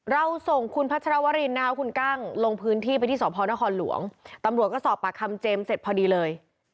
เราส่งคุณพัชรวรินนะคะคุณกั้งลงพื้นที่ไปที่สพนครหลวงตำรวจก็สอบปากคำเจมส์เสร็จพอดีเลย